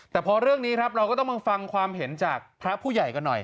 แต่พอเรื่องนี้ครับเราก็ต้องมาฟังความเห็นจากพระผู้ใหญ่กันหน่อย